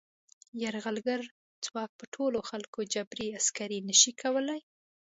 یرغلګر ځواک په ټولو خلکو جبري عسکري نه شي کولای.